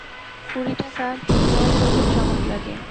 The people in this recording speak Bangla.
কুড়ি টাকা ভিনগাঁয়ের লোকের চমক লাগে।